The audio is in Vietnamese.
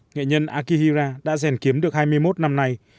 nghệ nhân akihira đã rèn kiếm được hai mươi một năm nay